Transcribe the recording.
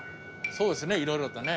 そうですねいろいろとね。